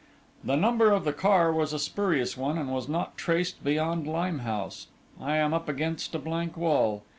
The number of the car was a spurious one, and was not traced beyond Limehouse. I am up against a blank wall.